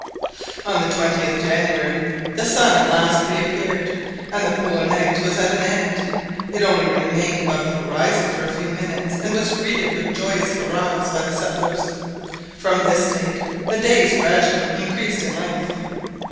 On the 20th January the sun at last reappeared, and the Polar night was at an end. It only remained above the horizon for a few minutes, and was greeted with joyous hurrahs by the settlers. From this date the days gradually increased in length.